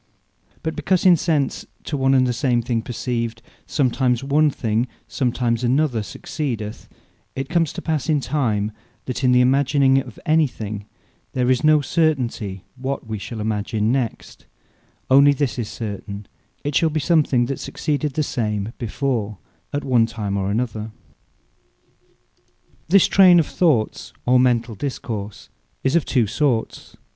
But because in sense, to one and the same thing perceived, sometimes one thing, sometimes another succeedeth, it comes to passe in time, that in the Imagining of any thing, there is no certainty what we shall Imagine next; Onely this is certain, it shall be something that succeeded the same before, at one time or another. Trayne Of Thoughts Unguided This Trayne of Thoughts, or Mentall Discourse, is of two sorts.